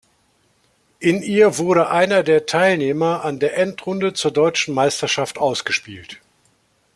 In ihr wurde einer der Teilnehmer an der Endrunde zur deutschen Meisterschaft ausgespielt.